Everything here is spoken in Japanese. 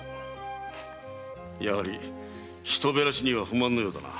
やはり人減らしには不満のようだな。